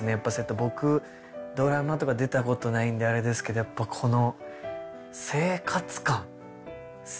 僕ドラマとか出たことないんであれですけどやっぱこの。